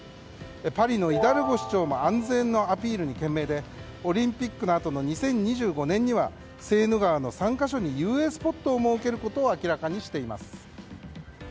パリのイダルゴ市長も安全のアピールに懸命でオリンピックのあとの２０２５年にはセーヌ川の３か所に遊泳スポットを設けることを明らかにしています。